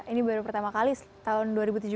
ini baru pertama kali tahun dua ribu tujuh belas